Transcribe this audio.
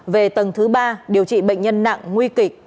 về tầng thứ ba điều trị bệnh nhân nặng nguy kịch